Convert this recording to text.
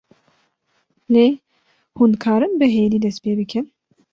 lê hûn karin bi hêdî dest pê bikin